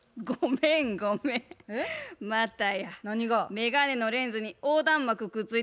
眼鏡のレンズに横断幕くっついてたわ。